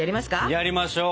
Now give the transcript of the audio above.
やリましょう！